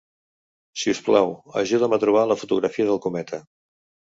Si us plau, ajuda'm a trobar la fotografia del Cometa.